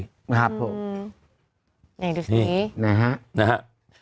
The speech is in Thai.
นะครับผมนี่ดูสินะฮะนะฮะ